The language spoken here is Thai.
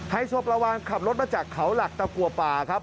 ไฮโซปลาวานขับรถมาจากเขาหลักตะกัวป่าครับ